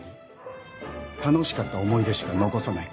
楽しかった思い出しか残さない。